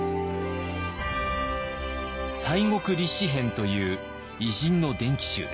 「西国立志編」という偉人の伝記集です。